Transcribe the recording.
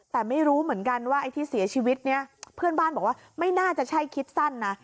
แต่ไม่รู้เหมือนกันว่าไอ้ที่เสียชีวิตเนี่ยเพื่อนบ้านบอกว่าไม่น่าจะใช่คิดสั้นนะ